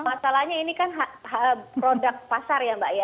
masalahnya ini kan produk pasar ya mbak ya